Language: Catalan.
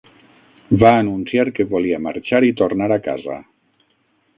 Va anunciar que volia marxar i tornar a casa.